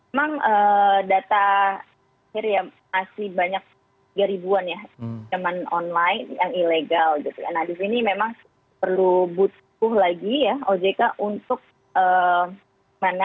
memang data saya kira masih banyak tiga ribuan ya pinjaman online yang ilegal gitu ya